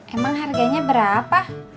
emang harganya berapa